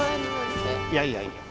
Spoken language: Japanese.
いやいやいや。